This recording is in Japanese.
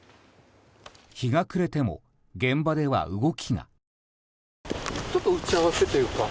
日が暮れても現場では動きが。